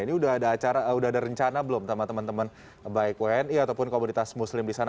ini udah ada rencana belum sama temen temen baik wni ataupun komunitas muslim disana